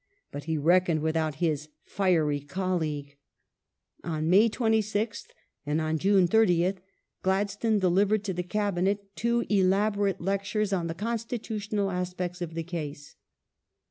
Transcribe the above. But he reckoned without his fiery colleague. On May 26th and on June 30th Gladstone de livered to the Cabinet two elaborate lectures on the constitutional aspects of the case.